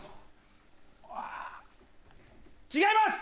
違います。